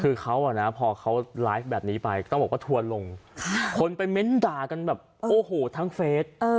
คือเขาอ่ะนะพอเขาไลฟ์แบบนี้ไปต้องบอกว่าทัวร์ลงคนไปเม้นต์ด่ากันแบบโอ้โหทั้งเฟส